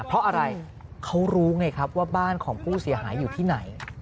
เพราะอะไรเขารู้ไงครับว่าบ้านของผู้เสียหายอยู่ที่ไหน